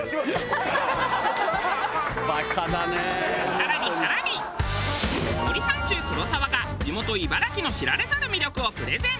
更に更に森三中黒沢が地元・茨城の知られざる魅力をプレゼン。